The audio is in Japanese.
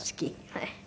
はい。